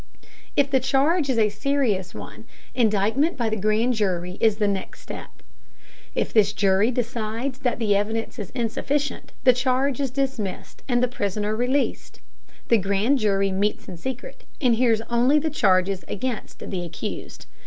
If the charge is a serious one, indictment by the grand jury is the next step. If this jury decides that the evidence is insufficient, the charge is dismissed and the prisoner released. The grand jury meets in secret, and hears only the charges against the accused.